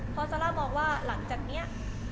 เพราะซาร่ามองว่าหลังจากนี้